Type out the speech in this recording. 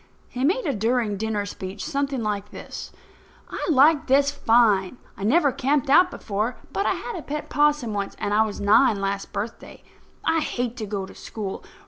He made a during dinner speech something like this: "I like this fine. I never camped out before; but I had a pet 'possum once, and I was nine last birthday. I hate to go to school.